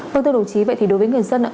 vâng thưa đồng chí vậy thì đối với người dân ạ